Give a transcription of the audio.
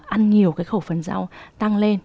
ăn nhiều cái khẩu phần rau tăng lên